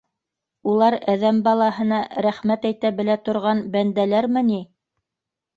Улар әҙәм балаһына рәхмәт әйтә белә торған бәндәләрме ни!